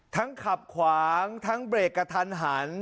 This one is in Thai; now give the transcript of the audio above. ขับขวางทั้งเบรกกระทันหัน